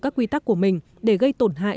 các quy tắc của mình để gây tổn hại